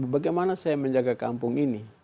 bagaimana saya menjaga kampung ini